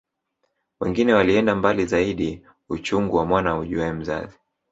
Wengine walienda mbali zaidi uchungu wa mwana aujuae mzazi